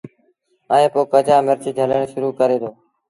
ائيٚݩ پو ڪچآ مرچ جھلڻ شرو ڪري دو